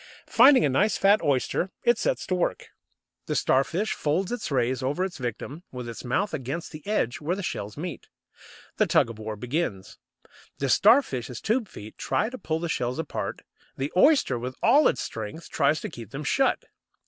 Finding a nice fat oyster, it sets to work. The Starfish folds its rays over its victim, with its mouth against the edge where the shells meet. The tug of war begins. The Starfish's tube feet try to pull the shells apart; the oyster, with all its strength, tries to keep them shut.